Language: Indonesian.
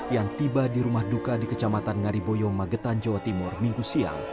yang tiba di rumah duka di kecamatan ngariboyo magetan jawa timur minggu siang